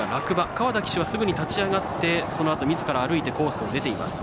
川田騎手は、すぐに立ち上がってそのあと、みずから歩いてコースを出ています。